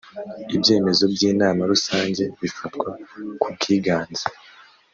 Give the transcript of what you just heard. ibyemezo by inama rusange bifatwa ku bwiganze